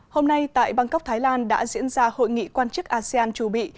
hôm nay tại bangkok thái lan đã diễn ra hội nghị quan chức asean chu bị